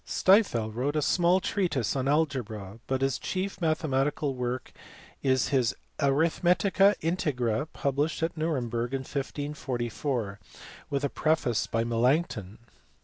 Stifel wrote a small treatise on algebra, but his chief mathe matical work is his Arithmetica Integra published at Nuremberg in 1544, with a preface by Melanchthon.